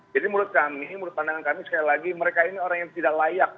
jadi menurut kami menurut pandangan kami sekali lagi mereka ini orang yang tidak layak